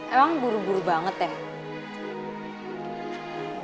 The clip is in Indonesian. emang buru buru banget ya